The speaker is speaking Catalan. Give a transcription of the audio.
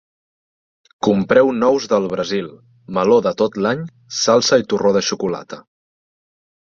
Compreu nous del Brasil, meló de tot l'any, salsa i torró de xocolata